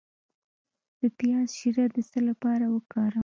د پیاز شیره د څه لپاره وکاروم؟